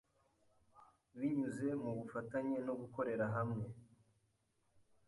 binyuze mu bufatanye no gukorera hamwe.